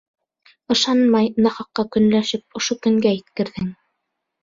Ышанмай, нахаҡҡа көнләшеп, ошо көнгә еткерҙең!